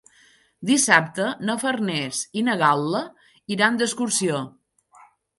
Dissabte na Farners i na Gal·la iran d'excursió.